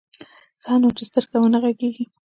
ښه نو چې سترګې ونه غړېږي.